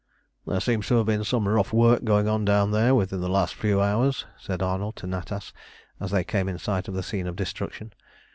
"There seems to have been some rough work going on down there within the last few hours," said Arnold to Natas as they came in sight of this scene of destruction.